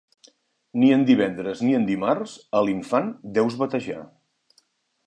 Ni en divendres ni en dimarts a l'infant deus batejar.